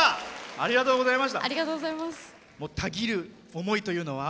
ありがとうございます。